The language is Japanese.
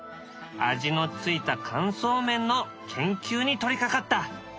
味のついた乾燥麺の研究に取りかかった。